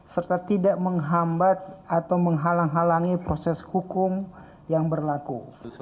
serta tidak menghambat atau menghalang halangi proses hukum yang berlaku